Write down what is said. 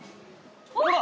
ほら。